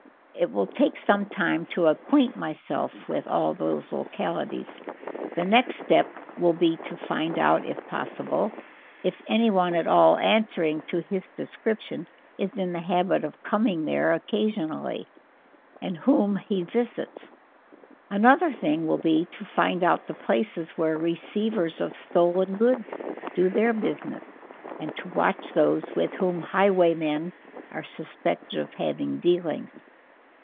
It will take some time to acquaint myself with all these localities; the next step will be to find out, if possible, if anyone at all answering to his description is in the habit of coming there occasionally, and whom he visits; another thing will be to find out the places where receivers of stolen goods do their business, and to watch those with whom highwaymen are suspected of having dealings.